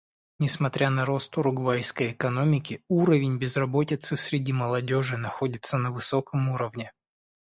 Несмотря на рост уругвайской экономики, уровень безработицы среди молодежи находится на высоком уровне.